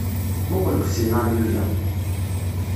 Muqel deg usinaryu-ya.